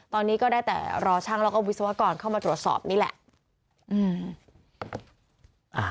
ตอนนี้ก็ได้แต่รอช่างแล้วก็วิศวกรเข้ามาตรวจสอบนี่แหละ